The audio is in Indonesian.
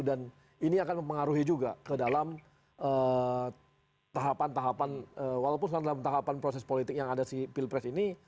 dan ini akan mempengaruhi juga ke dalam tahapan tahapan walaupun dalam tahapan proses politik yang ada si pilpres ini